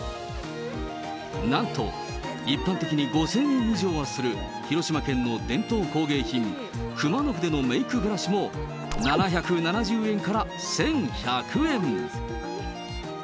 なんと一般的に５０００円以上はする広島県の伝統工芸品、熊野筆のメイクブラシも、７７０円から１１００円。